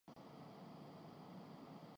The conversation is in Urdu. تحریک انصاف پنجاب میں پیپلز پارٹی کا نیا ظہور ہے۔